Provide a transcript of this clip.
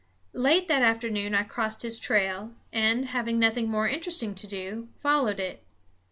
Late that afternoon I crossed his trail and, having nothing more interesting to do, followed it.